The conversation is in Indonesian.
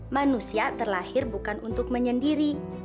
manusia terlahir bukan untuk menyendiri